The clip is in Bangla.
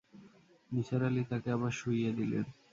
নিসার আলি তাকে আবার শুইয়ে দিলেন।